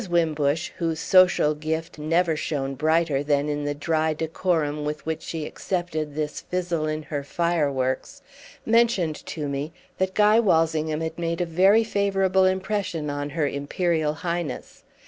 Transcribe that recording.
Wimbush, whose social gift never shone brighter than in the dry decorum with which she accepted this fizzle in her fireworks, mentioned to me that Guy Walsingham had made a very favourable impression on her Imperial Highness.